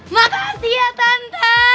makasih ya tante